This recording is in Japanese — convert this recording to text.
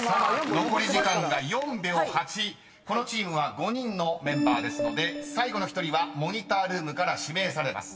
［このチームは５人のメンバーですので最後の１人はモニタールームから指名されます］